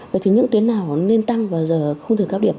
vậy thì những tuyến nào nên tăng vào giờ khung thường cao điểm